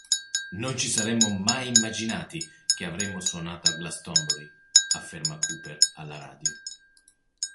Non ci saremmo mai immaginati che avremmo suonato a Glastonbury", afferma Cooper alla radio.